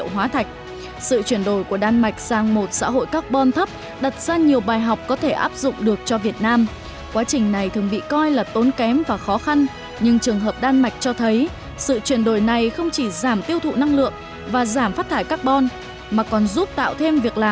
mà còn giúp tạo thêm việc làm và cơ hội kinh doanh